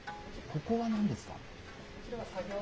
ここはなんですか？